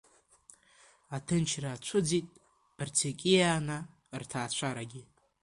Аҭынчра ацәыӡит Барцикианаа рҭаацәарагьы.